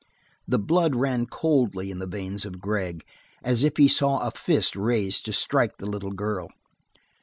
The blood ran coldly in the veins of Gregg, as if he saw a fist raised to strike the little girl.